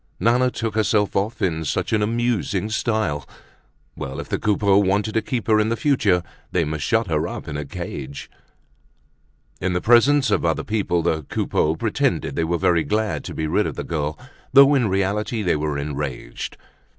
Nana took herself off in such an amusing style. Well, if the Coupeaus wanted to keep her in the future, they must shut her up in a cage. In the presence of other people the Coupeaus pretended they were very glad to be rid of the girl, though in reality they were enraged.